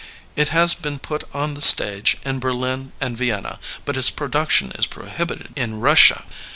It has been put on the stage in Berlin and Vienna, but its production is prohibited in Eus sia.